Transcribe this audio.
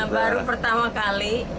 baru pertama kali